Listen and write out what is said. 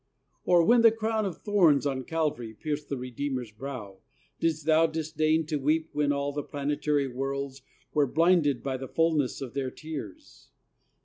Or when the crown of thorns on Calvary Pierced the Redeemer's brow, didst thou disdain To weep, when all the planetary worlds Were blinded by the fulness of their tears?